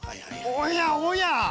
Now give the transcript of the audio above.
おやおや！